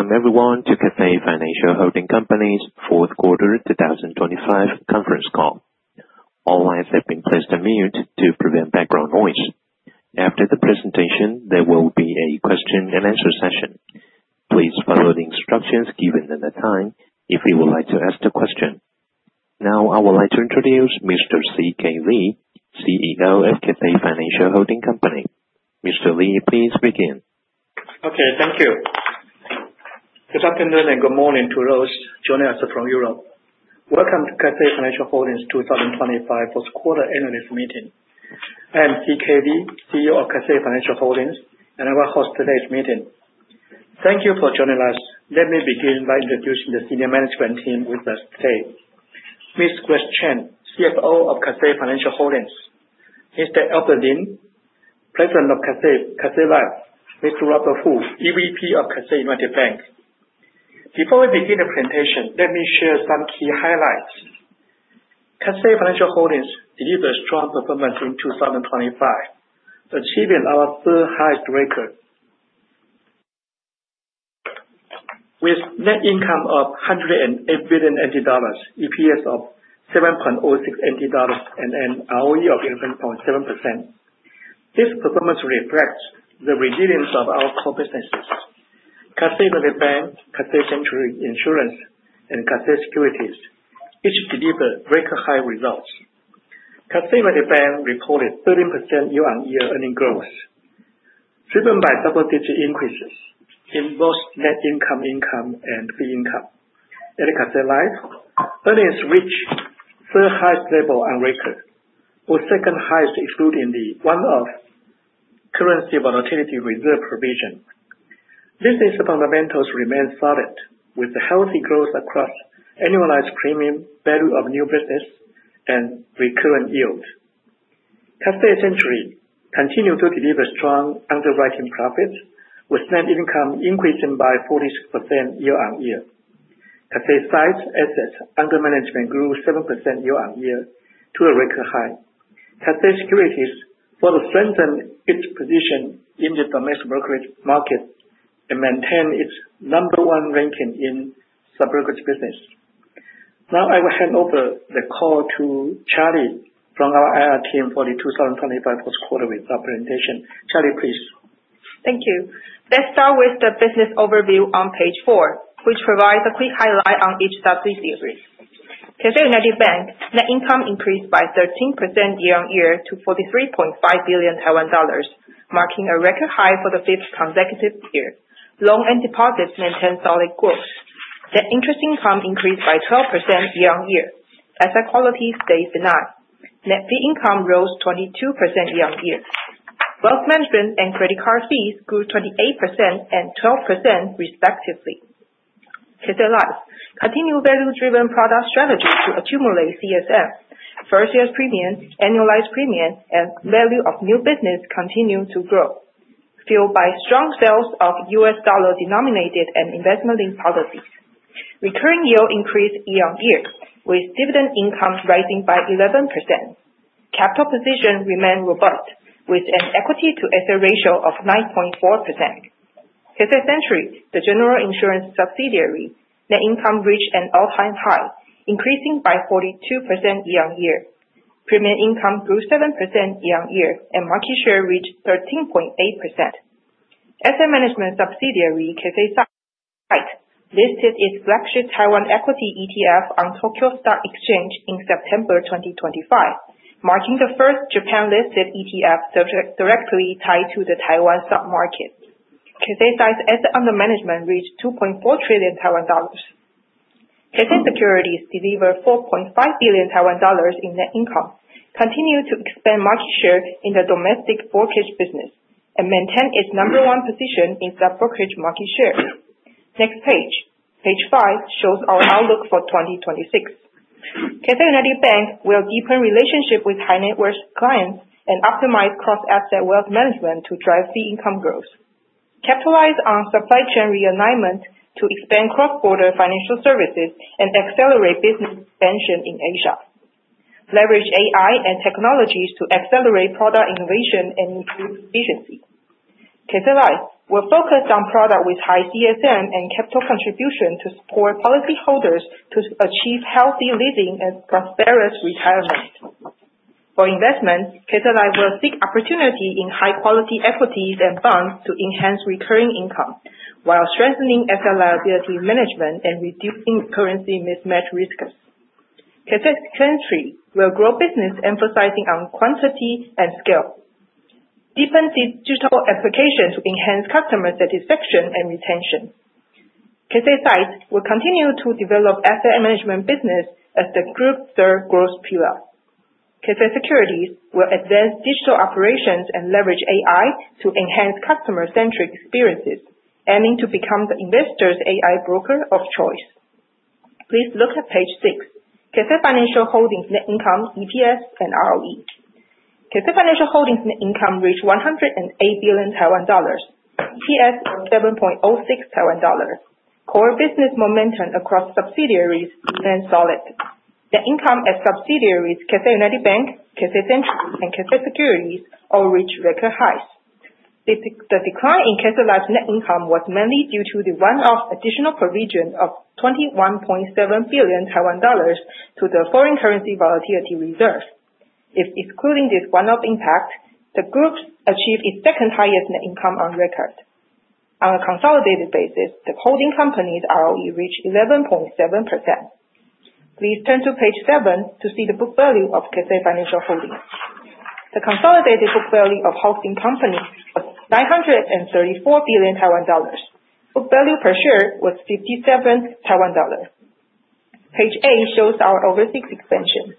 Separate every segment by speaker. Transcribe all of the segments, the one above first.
Speaker 1: Welcome everyone to Cathay Financial Holding Company's fourth quarter 2025 conference call. All lines have been placed on mute to prevent background noise. After the presentation, there will be a question and answer session. Please follow the instructions given at the time if you would like to ask the question. Now I would like to introduce Mr. C.K. Lee, CEO of Cathay Financial Holding Company. Mr. Lee, please begin.
Speaker 2: Okay. Thank you. Good afternoon and good morning to those joining us from Europe. Welcome to Cathay Financial Holdings 2025 fourth quarter analyst meeting. I am C.K. Lee, CEO of Cathay Financial Holdings, and I will host today's meeting. Thank you for joining us. Let me begin by introducing the Senior Management team with us today. Ms. Grace Chen, CFO of Cathay Financial Holdings. Mr. Alfred Lin, President of Cathay Life. Mr. Robert Fuh, EVP of Cathay United Bank. Before we begin the presentation, let me share some key highlights. Cathay Financial Holdings delivered strong performance in 2025, achieving our third highest record with net income of 108 billion NT dollars, EPS of 7.06 NT dollars and an ROE of 11.7%. This performance reflects the resilience of our core businesses. Cathay United Bank, Cathay Century Insurance, and Cathay Securities each deliver very high results. Cathay United Bank reported 13% year-over-year earning growth, driven by double-digit increases in both net interest income and fee income. At Cathay Life, earnings reached third highest level on record, with second highest excluding the one-off currency volatility reserve provision. Business fundamentals remain solid with a healthy growth across annualized premium, value of new business, and recurring yields. Cathay Century continued to deliver strong underwriting profits, with net income increasing by 46% year-over-year. Cathay SITE assets under management grew 7% year-over-year to a record high. Cathay Securities further strengthened its position in the domestic brokerage market and maintained its number one ranking in sub-brokerage business. Now I will hand over the call to Charlie from our IR team for the 2025 post quarter with presentation. Charlie, please.
Speaker 3: Thank you. Let's start with the business overview on page four, which provides a quick highlight on each subsidiary. Cathay United Bank, net income increased by 13% year-on-year to 43.5 billion Taiwan dollars, marking a record high for the fifth consecutive year. Loans and deposits maintain solid growth. Net interest income increased by 12% year-on-year. Asset quality stayed benign. Net fee income rose 22% year-on-year. Wealth management and credit card fees grew 28% and 12% respectively. Cathay Life continues value-driven product strategy to accumulate CSM. First-year premiums, annualized premiums, and value of new business continued to grow, fueled by strong sales of U.S. dollar-denominated and investment-linked policies. Recurring yield increased year-on-year, with dividend income rising by 11%. Capital position remained robust with an equity-to-asset ratio of 9.4%. Cathay Century Insurance, the general insurance subsidiary, net income reached an all-time high, increasing by 42% year-on-year. Premium income grew 7% year-on-year, and market share reached 13.8%. Asset management subsidiary, Cathay SITE listed its flagship Taiwan Equity ETF on Tokyo Stock Exchange in September 2025, marking the first Japan-listed ETF directly tied to the Taiwan stock market. Cathay SITE assets under management reached 2.4 trillion Taiwan dollars. Cathay Securities delivered 4.5 billion Taiwan dollars in net income, continued to expand market share in the domestic brokerage business, and maintained its number one position in the brokerage market share. Next page. Page five shows our outlook for 2026. Cathay United Bank will deepen relationship with high net worth clients and optimize cross-asset wealth management to drive fee income growth. Capitalize on supply chain realignment to expand cross-border financial services and accelerate business expansion in Asia. Leverage AI and technologies to accelerate product innovation and improve efficiency. Cathay Life will focus on product with high CSM and capital contribution to support policy holders to achieve healthy living and prosperous retirement. For investment, Cathay Life will seek opportunity in high quality equities and bonds to enhance recurring income while strengthening asset liability management and reducing currency mismatch risks. Cathay Century will grow business emphasizing on quality and scale. Deepen its digital application to enhance customer satisfaction and retention. Cathay SITE will continue to develop asset management business as the group third growth pillar. Cathay Securities will advance digital operations and leverage AI to enhance customer-centric experiences, aiming to become the investors' AI broker of choice. Please look at page six. Cathay Financial Holding net income, EPS, and ROE. Cathay Financial Holding net income reached 108 billion Taiwan dollars. EPS of 7.06 Taiwan dollars. Core business momentum across subsidiaries remains solid. The income at subsidiaries, Cathay United Bank, Cathay Century, and Cathay Securities all reached record highs. The decline in Cathay Life net income was mainly due to the one-off additional provision of 21.7 billion Taiwan dollars to the foreign currency volatility reserve. If excluding this one-off impact, the group achieved its second highest net income on record. On a consolidated basis, the holding company's ROE reached 11.7%. Please turn to page seven to see the book value of Cathay Financial Holding. The consolidated book value of holding company was 934 billion Taiwan dollars. Book value per share was 57 Taiwan dollars. Page eight shows our overseas expansion.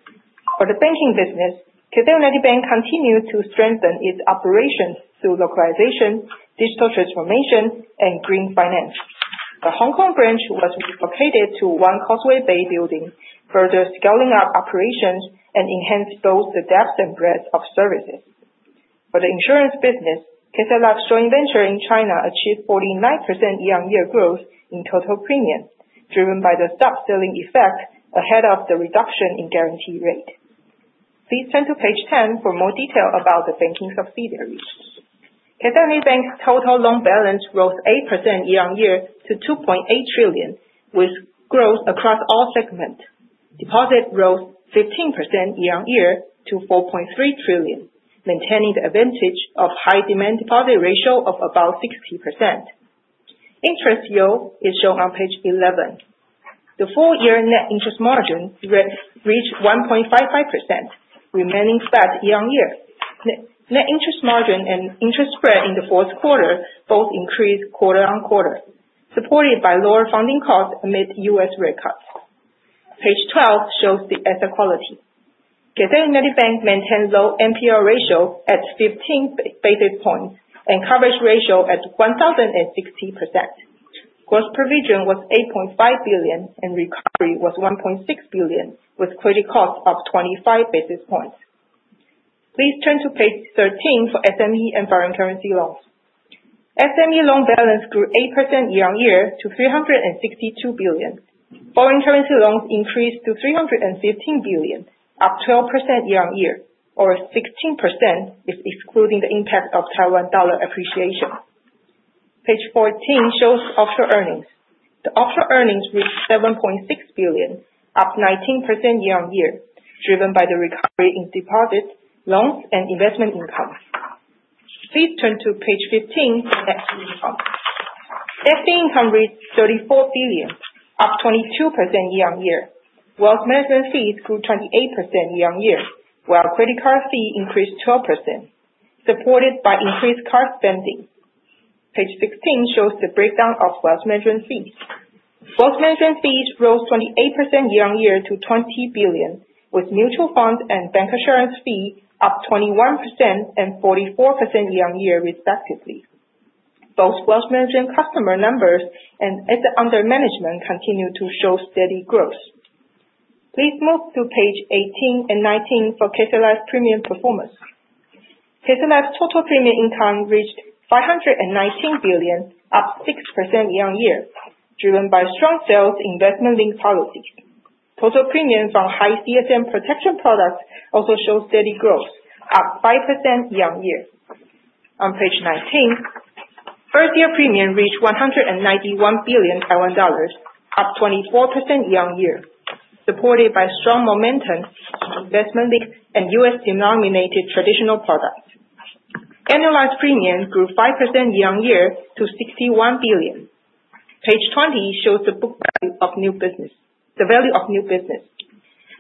Speaker 3: For the banking business, Cathay United Bank continued to strengthen its operations through localization, digital transformation, and green finance. The Hong Kong branch was relocated to One Causeway Bay building, further scaling up operations and enhanced both the depth and breadth of services. For the insurance business, Cathay Life's joint venture in China achieved 49% year-on-year growth in total premium, driven by the stock selling effect ahead of the reduction in guarantee rate. Please turn to page 10 for more detail about the banking subsidiaries. Cathay United Bank's total loan balance growth 8% year-on-year to 2.8 trillion, with growth across all segments. Deposit growth 15% year-on-year to 4.3 trillion, maintaining the advantage of high demand deposit ratio of about 60%. Interest yield is shown on page 11. The full year net interest margin reached 1.55%, remaining flat year-on-year. Net interest margin and interest spread in the fourth quarter both increased quarter-over-quarter, supported by lower funding costs amid U.S. rate cuts. Page 12 shows the asset quality. Cathay United Bank maintains low NPL ratio at 15 basis points and coverage ratio at 1,060%. Gross provision was 8.5 billion and recovery was 1.6 billion, with credit cost of 25 basis points. Please turn to page 13 for SME and foreign currency loans. SME loan balance grew 8% year-on-year to 362 billion. Foreign currency loans increased to 315 billion, up 12% year-on-year, or 16% if excluding the impact of Taiwan dollar appreciation. Page 14 shows offshore earnings. The offshore earnings reached 7.6 billion, up 19% year-on-year, driven by the recovery in deposits, loans, and investment income. Please turn to page 15 for net fee income. Net fee income reached 34 billion, up 22% year-on-year. Wealth management fees grew 28% year-on-year, while credit card fee increased 12%, supported by increased card spending. Page 16 shows the breakdown of wealth management fees. Wealth management fees rose 28% year-on-year to 20 billion, with mutual funds and bancassurance fees up 21% and 44% year-on-year respectively. Both wealth management customer numbers and assets under management continued to show steady growth. Please move to page 18 and 19 for Cathay Life premium performance. Cathay Life's total premium income reached 519 billion, up 6% year-on-year, driven by strong sales investment-linked policy. Total premiums on high CSM protection products also show steady growth, up 5% year-on-year. On page 19, first-year premium reached TWD 191 billion, up 24% year-on-year, supported by strong momentum in investment-linked and U.S. denominated traditional products. Annualized premiums grew 5% year-on-year to 61 billion. Page 20 shows the book value of new business, the value of new business.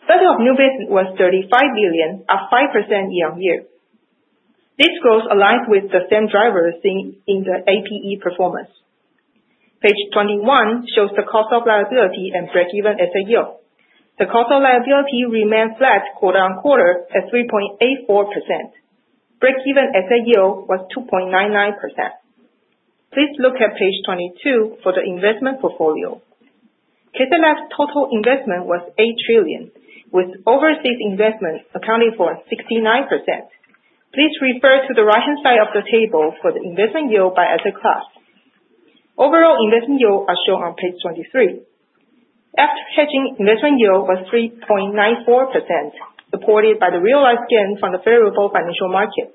Speaker 3: Value of new business was 35 billion, up 5% year-on-year. This growth aligns with the same drivers seen in the APE performance. Page 21 shows the cost of liability and break-even as a yield. The cost of liability remained flat quarter-on-quarter at 3.84%. Break-even as a yield was 2.99%. Please look at page 22 for the investment portfolio. Cathay Life's total investment was 8 trillion, with overseas investment accounting for 69%. Please refer to the right-hand side of the table for the investment yield by asset class. Overall investment yield is shown on page 23. After hedging, investment yield was 3.94%, supported by the realized gains on the favorable financial market.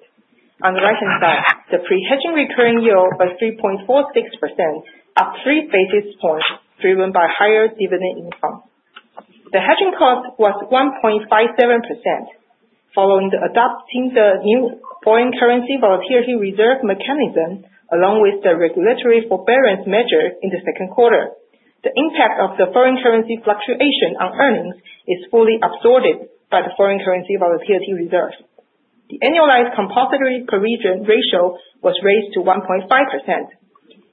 Speaker 3: On the right-hand side, the pre-hedging recurring yield was 3.46%, up 3 basis points, driven by higher dividend income. The hedging cost was 1.57%. Following the adoption of the new foreign currency volatility reserve mechanism, along with the regulatory forbearance measure in the second quarter, the impact of the foreign currency fluctuation on earnings is fully absorbed by the foreign currency volatility reserve. The annualized compulsory provision ratio was raised to 1.5%.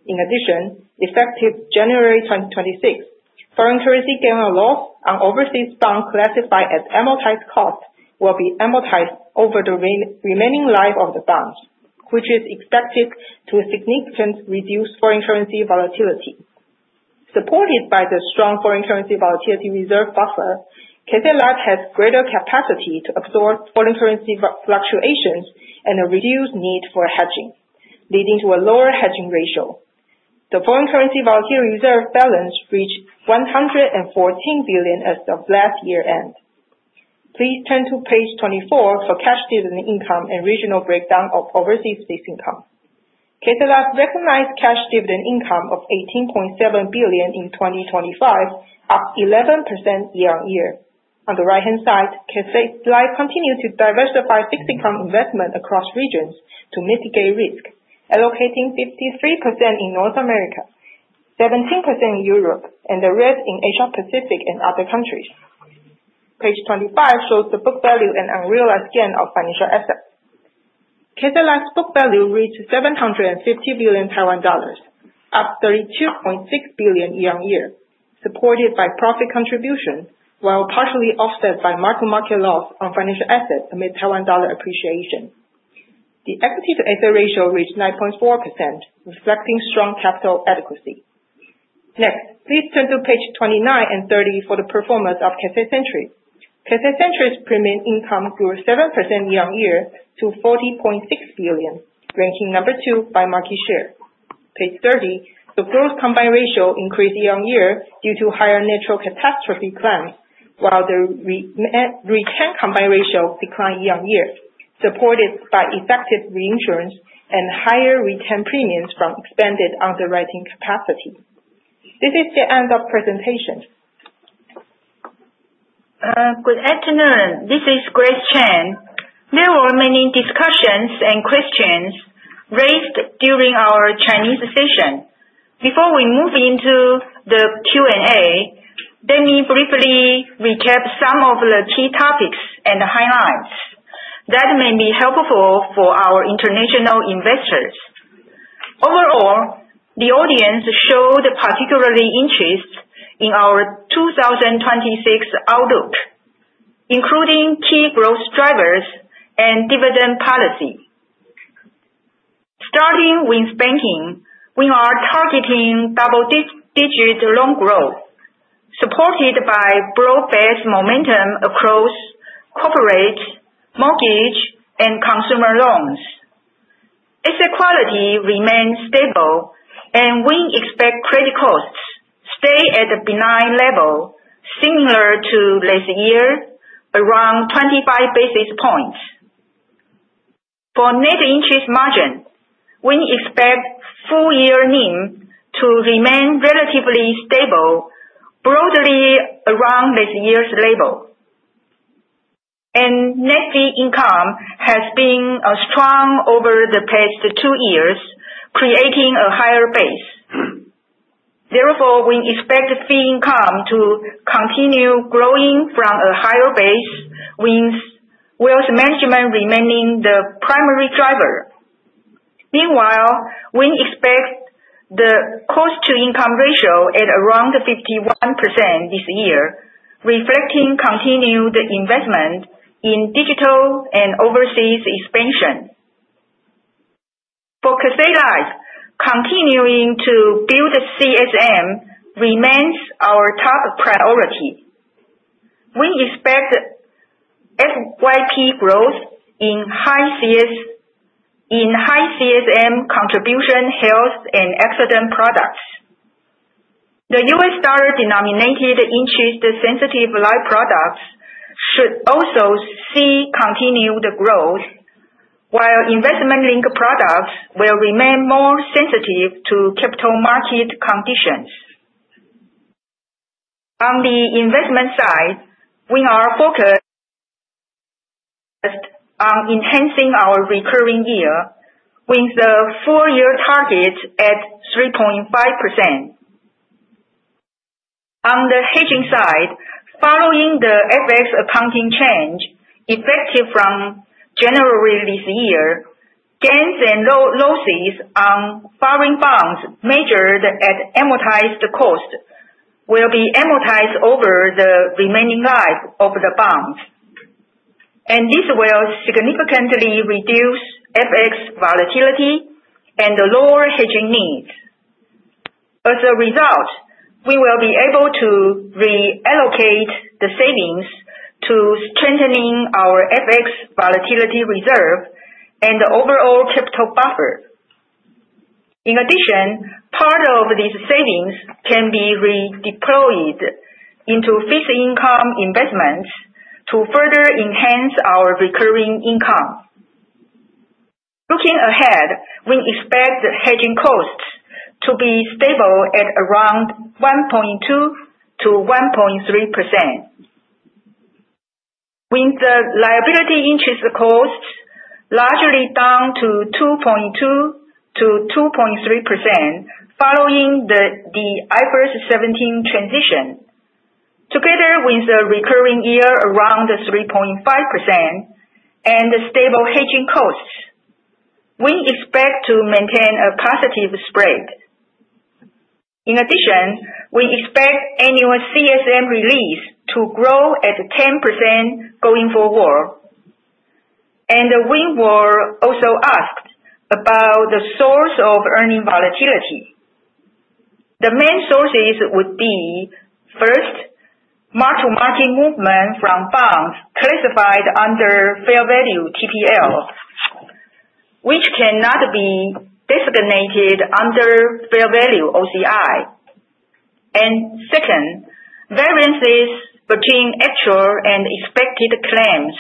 Speaker 3: In addition, effective January 2026, foreign currency gain or loss on overseas bonds classified as amortized cost will be amortized over the remaining life of the bonds, which is expected to significantly reduce foreign currency volatility. Supported by the strong foreign currency volatility reserve buffer, Cathay Life has greater capacity to absorb foreign currency fluctuations and a reduced need for hedging, leading to a lower hedging ratio. The foreign currency volatility reserve balance reached 114 billion as of last year-end. Please turn to page 24 for cash dividend income and regional breakdown of overseas fixed income. Cathay Life recognized cash dividend income of TWD 18.7 billion in 2025, up 11% year-on-year. On the right-hand side, Cathay Life continued to diversify fixed income investment across regions to mitigate risk, allocating 53% in North America, 17% in Europe, and the rest in Asia, Pacific, and other countries. Page 25 shows the book value and unrealized gain of financial assets. Cathay Life's book value reached 750 billion Taiwan dollars, up 32.6 billion year-on-year, supported by profit contribution while partially offset by mark-to-market loss on financial assets amid Taiwan dollar appreciation. The equity-to-asset ratio reached 9.4%, reflecting strong capital adequacy. Next, please turn to page 29 and 30 for the performance of Cathay Century. Cathay Century's premium income grew 7% year-on-year to 40.6 billion, ranking number two by market share. Page 30, the gross combined ratio increased year-on-year due to higher natural catastrophe claims, while the retained combined ratio declined year-on-year, supported by effective reinsurance and higher retained premiums from expanded underwriting capacity. This is the end of presentation.
Speaker 4: Good afternoon. This is Grace Chen. There were many discussions and questions raised during our Chinese session. Before we move into the Q&A, let me briefly recap some of the key topics and the highlights that may be helpful for our international investors. Overall, the audience showed particular interest in our 2026 outlook, including key growth drivers and dividend policy. Starting with banking, we are targeting double-digit loan growth, supported by broad-based momentum across corporate, mortgage, and consumer loans. Asset quality remains stable, and we expect credit costs stay at a benign level similar to last year, around 25 basis points. For net interest margin, we expect full year NIM to remain relatively stable broadly around this year's level. Net fee income has been strong over the past two years, creating a higher base. Therefore, we expect fee income to continue growing from a higher base with wealth management remaining the primary driver. Meanwhile, we expect the cost-to-income ratio at around 51% this year, reflecting continued investment in digital and overseas expansion. For Cathay Life, continuing to build CSM remains our top priority. We expect FYP growth in high CSM contribution, health, and accident products. The U.S. dollar denominated interest sensitive life products should also see continued growth while investment linked products will remain more sensitive to capital market conditions. On the investment side, we are focused on enhancing our recurring yield with the full year target at 3.5%. On the hedging side, following the FX accounting change effective from January this year, gains and losses on foreign bonds measured at amortized cost will be amortized over the remaining life of the bonds. This will significantly reduce FX volatility and lower hedging needs. As a result, we will be able to reallocate the savings to strengthening our FX volatility reserve and the overall capital buffer. In addition, part of these savings can be redeployed into fixed income investments to further enhance our recurring income. Looking ahead, we expect the hedging costs to be stable at around 1.2%-1.3%. With the liability interest costs largely down to 2.2%-2.3% following the IFRS 17 transition, together with the recurring yield around 3.5% and the stable hedging costs, we expect to maintain a positive spread. In addition, we expect annual CSM release to grow at 10% going forward. We were also asked about the source of earnings volatility. The main sources would be, firstly, mark-to-market movement from bonds classified under Fair Value TPL, which cannot be designated under Fair Value OCI. Second, variances between actual and expected claims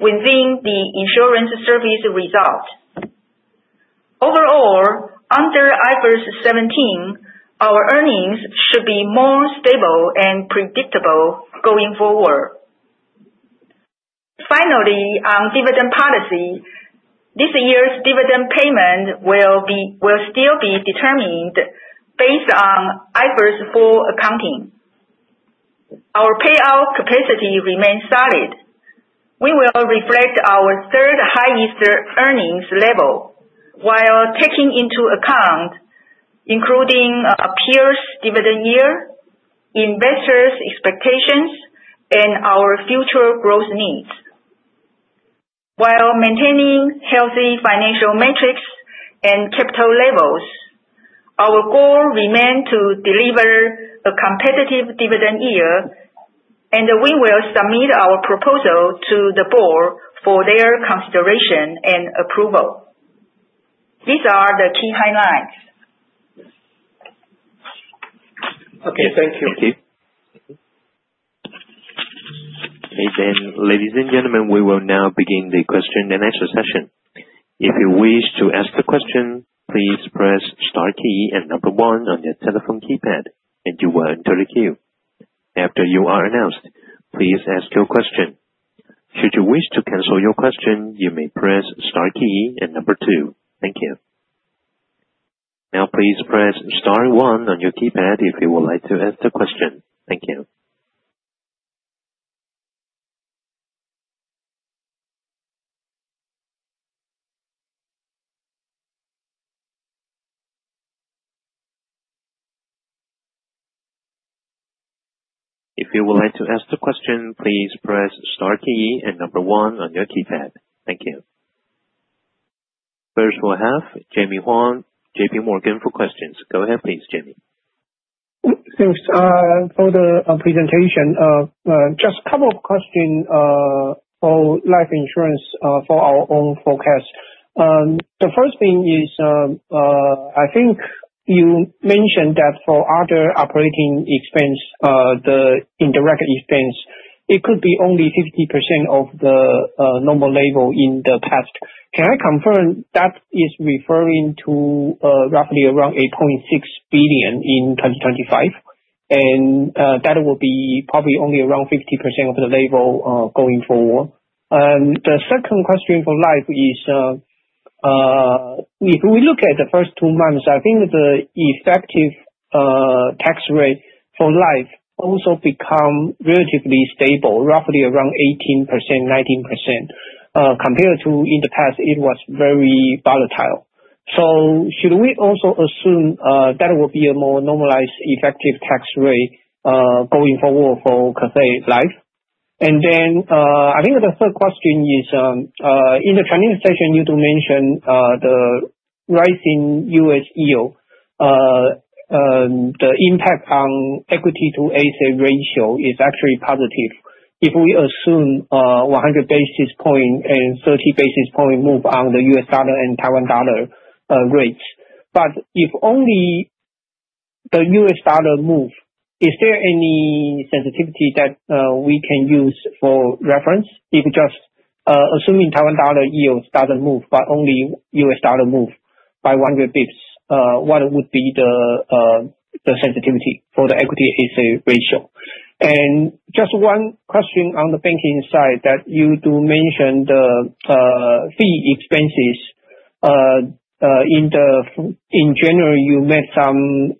Speaker 4: within the insurance service result. Overall, under IFRS 17, our earnings should be more stable and predictable going forward. Finally, on dividend policy, this year's dividend payment will still be determined based on IFRS 4 accounting. Our payout capacity remains solid. We will reflect our third highest earnings level while taking into account, including peers' dividend yield, investors' expectations and our future growth needs. While maintaining healthy financial metrics and capital levels, our goal remain to deliver a competitive dividend yield, and we will submit our proposal to the board for their consideration and approval. These are the key highlights.
Speaker 2: Okay. Thank you
Speaker 1: Thank you. Ladies and gentlemen we will now begin the question-and-answer session. If you wish to ask a question please press star key and number one in your telephone keypad and [you enter] the queue. After you are announced just ask your question. Should you wish to cancel your question press star key and number two. Thank you. Please press star one on your keypad if you would like to ask a question. Thank you. First we'll have Jaime Huang, JPMorgan, for questions. Go ahead please, Jamie.
Speaker 5: Thanks for the presentation. Just couple of question for life insurance for our own forecast. The first thing is, I think you mentioned that for other operating expense, the indirect expense, it could be only 50% of the normal level in the past. Can I confirm that is referring to roughly around 8.6 billion in 2025? That will be probably only around 50% of the level going forward. The second question for life is, if we look at the first two months, I think the effective tax rate for life also become relatively stable, roughly around 18%-19%. Compared to in the past, it was very volatile. Should we also assume that will be a more normalized effective tax rate going forward for Cathay Life? I think the third question is, in the Chinese session, you do mention the rising U.S. yield. The impact on equity-to-asset ratio is actually positive. If we assume 100 basis points and 30 basis points move on the U.S. dollar and Taiwan dollar rates. But if only the U.S. dollar move, is there any sensitivity that we can use for reference? If just assuming Taiwan dollar yields doesn't move, but only U.S. dollar move by 100 basis points, what would be the sensitivity for the equity-to-asset ratio? Just one question on the banking side that you do mention the fee expenses in January, you made some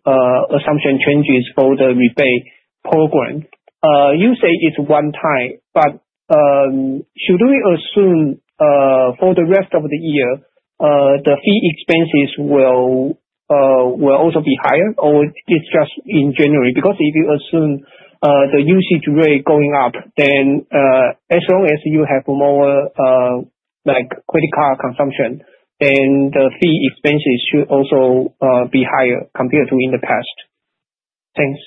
Speaker 5: assumption changes for the rebate program. You say it's one time, but should we assume for the rest of the year the fee expenses will also be higher, or it's just in January? Because if you assume the usage rate going up, then as long as you have more like credit card consumption, then the fee expenses should also be higher compared to in the past. Thanks.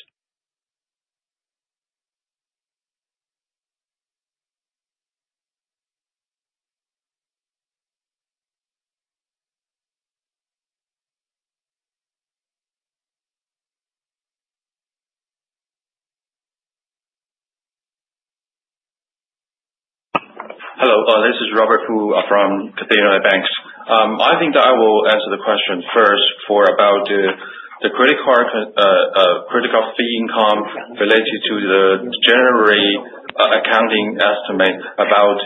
Speaker 6: Hello. This is Robert Fuh from Cathay United Bank. I think that I will answer the question first for about the credit card fee income related to the January accounting estimate about,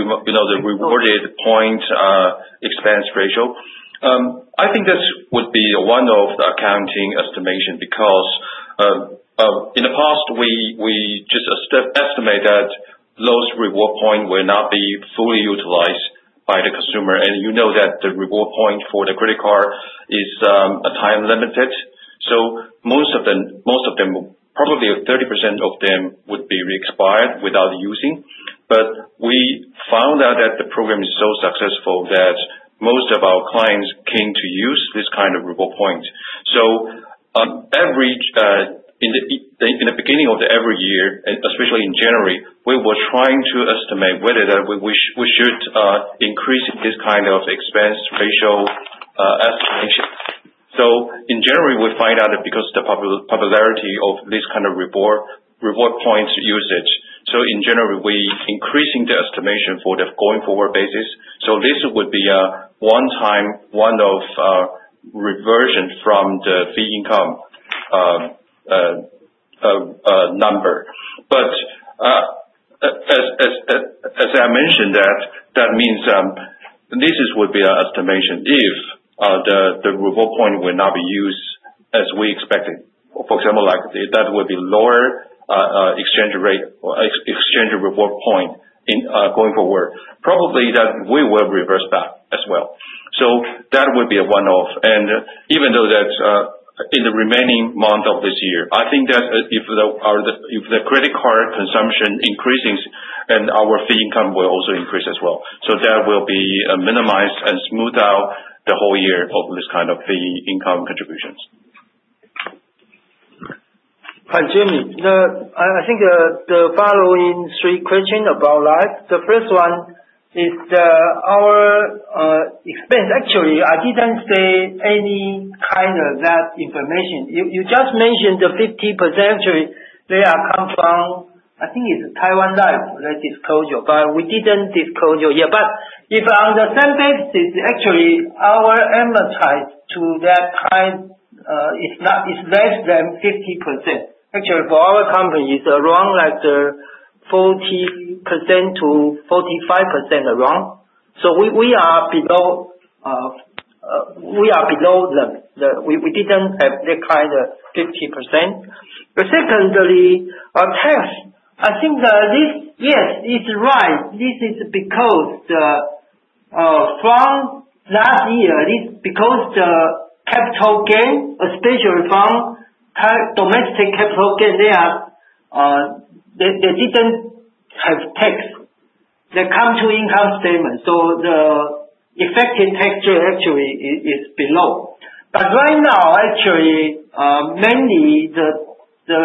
Speaker 6: you know, the reward point expense ratio. I think this would be one of the accounting estimation because in the past, we just estimate that those reward point will not be fully utilized by the consumer. You know that the reward point for the credit card is a time limited. So most of them, probably 30% of them would be expired without using. Now that the program is so successful that most of our clients came to use this kind of reward point. On average, in the beginning of every year, especially in January, we were trying to estimate whether that we should increase this kind of expense ratio estimation. In January, we find out that because the popularity of this kind of reward points usage, we increasing the estimation for the going forward basis. This would be a one-time, one-off reversion from the fee income number. As I mentioned that that means this is would be an estimation if the reward point will not be used as we expected. For example, like if that would be lower exchange rate or exchange reward point in going forward, probably that we will reverse that as well. That would be a one-off. Even though that, in the remaining months of this year, I think that if the credit card consumption increases, then our fee income will also increase as well. That will be minimized and smooth out the whole year of this kind of fee income contributions.
Speaker 7: Hi, Jaime. I think the following three questions about life. The first one is our expense. Actually, I didn't say any kind of that information. You just mentioned the 50% actually they come from, I think it's Taiwan Life, the disclosure, but we didn't disclose here. But if on the same basis, actually our advertising to that kind is less than 50%. Actually, for our company is around like 40%-45%. So we are below. We didn't have that kind of 50%. But secondly, our tax, I think this, yes. It's right. This is because from last year, this is because the capital gain especially from domestic capital gain, they didn't have tax. They come to income statement, so the effective tax rate actually is below. Right now, actually, mainly the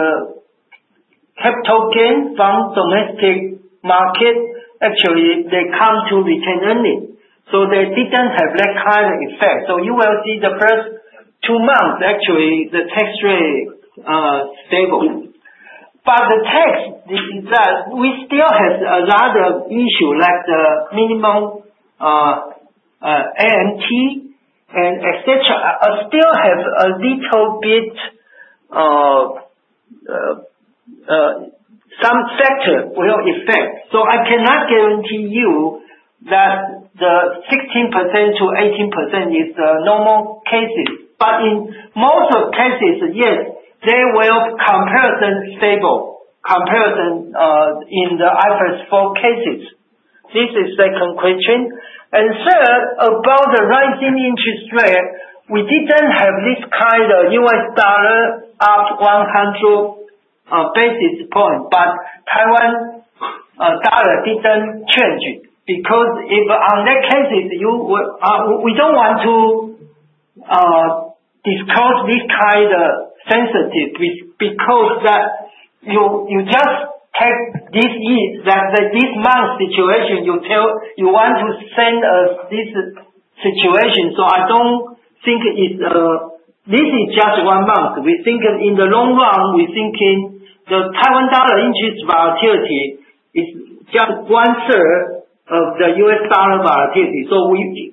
Speaker 7: capital gain from domestic market, actually they come to retained earnings, so they didn't have that kind of effect. You will see the first two months, actually the tax rate stable. The tax is that we still have a lot of issue like the minimum AMT and et cetera. I still have a little bit some factor will affect. I cannot guarantee you that the 16%-18% is the normal cases. In most of cases, yes, they will comparatively stable in the IFRS 4 cases. This is second question. Third, about the rising interest rate, we didn't have this kind of U.S. dollar up 100 basis point, but Taiwan dollar didn't change it. Because if in that case you would, we don't want to disclose this kind of sensitive because that you just take this year that this month situation you tell you want to send us this situation. I don't think it's, this is just one month. We think in the long run, we're thinking the Taiwan dollar interest volatility is just one third of the U.S. dollar volatility.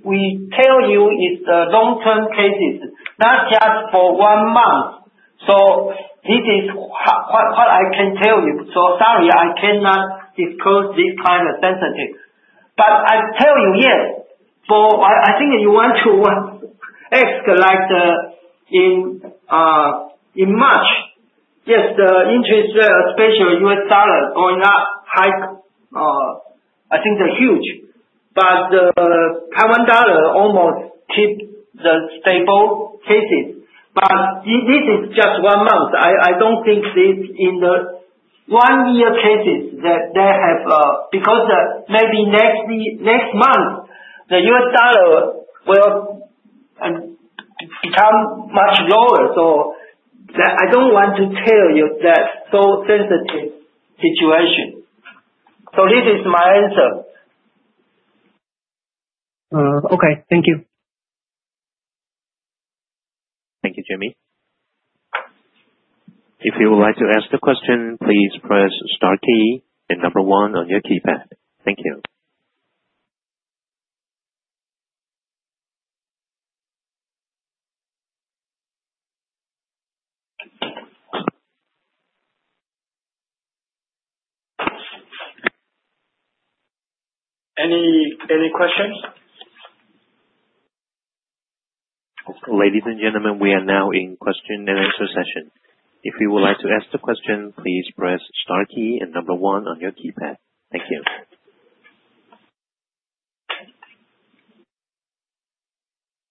Speaker 7: We tell you it's the long-term case, not just for one month. This is what I can tell you. Sorry I cannot disclose this kind of sensitive. I tell you, yes, I think you want to ask like, in March, yes, the interest rate especially U.S. dollar going up high, I think they're huge. The Taiwan dollar almost keep the stable cases. This is just one month. I don't think this in the one year cases that they have, because, maybe next month, the U.S. dollar will become much lower. I don't want to tell you that so sensitive situation. This is my answer. Okay. Thank you.
Speaker 1: Thank you, Jaime. If you would like to ask the question, please press star, then number one on your keypad. Thank you.
Speaker 2: Any questions?
Speaker 1: Ladies and gentlemen, we are now in question and answer session. If you would like to ask the question, please press star key and number one on your keypad. Thank you.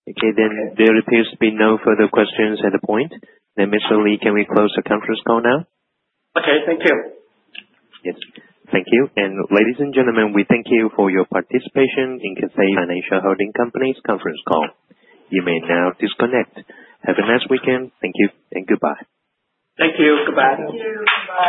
Speaker 1: Okay, then there appears to be no further questions at this point. Mr. Lee, can we close the conference call now?
Speaker 2: Okay. Thank you.
Speaker 1: Yes. Thank you. Ladies and gentlemen, we thank you for your participation in Cathay Financial Holding Co., Ltd.'s conference call. You may now disconnect. Have a nice weekend. Thank you and goodbye.
Speaker 2: Thank you. Goodbye.